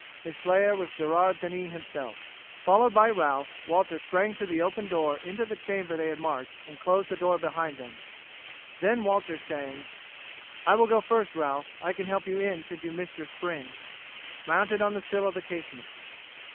His slayer was Gerard Denis himself. Followed by Ralph, Walter sprang through the open door into the chamber they had marked, and closed the door behind them. Then Walter, saying, "I will go first, Ralph, I can help you in should you miss your spring," mounted on the sill of the casement.